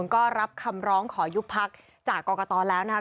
ก็รับคำร้องขอยุบพักจากกรกตแล้วนะคะ